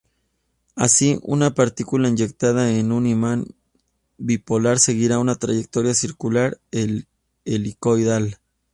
Así, una partícula inyectada en un imán dipolar seguirá una trayectoria circular o helicoidal.